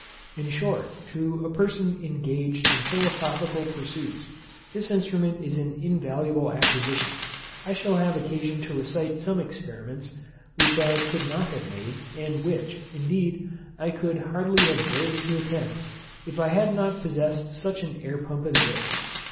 In short, to a person engaged in philosophical pursuits, this instrument is an invaluable acquisition. I shall have occasion to recite some experiments, which I could not have made, and which, indeed, I should hardly have dared to attempt, if I had not been possessed of such an air pump as this.